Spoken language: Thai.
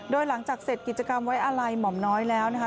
โดยหลังจากเสร็จกิจกรรมไว้อาลัยหม่อมน้อยแล้วนะคะ